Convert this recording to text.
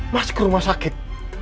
mas ke rumah sakit